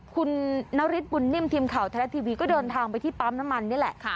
คุณนฤทธบุญนิ่มทีมข่าวไทยรัฐทีวีก็เดินทางไปที่ปั๊มน้ำมันนี่แหละ